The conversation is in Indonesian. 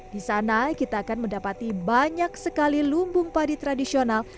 di sana kita akan mendapati banyak sekali lumbung padi tradisional